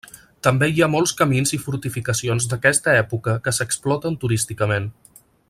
També hi ha molts camins i fortificacions d'aquesta època que s'exploten turísticament.